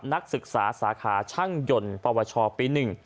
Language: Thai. นักศึกษาสาขาช่างยนต์ปวชปี๑